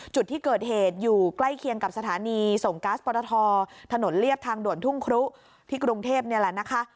จุดที่เกิดเหตุอยู่ใกล้เคียงกับสถานีส่งก๊าซปรทถนนเรียบทางด่วนทุ่งครุที่กรุงเทพนี่แหละนะคะ